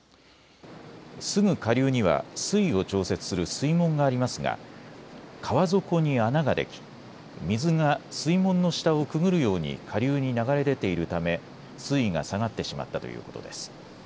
すぐ下流には水位を調節する水門がありますが川底に穴ができ水が水門の下をくぐるように下流に流れ出ているため水位が下がってしまったということです。